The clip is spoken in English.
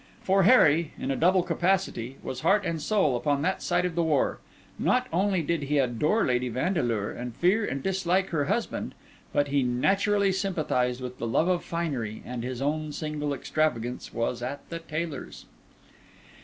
For Harry, in a double capacity, was heart and soul upon that side of the war: not only did he adore Lady Vandeleur and fear and dislike her husband, but he naturally sympathised with the love of finery, and his own single extravagance was at the tailor's.